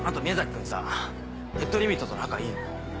君さヘッドリミットと仲いいの？